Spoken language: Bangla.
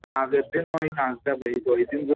বিশেষ কিছু তো ফল হল না।